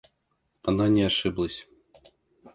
Она не ошиблась.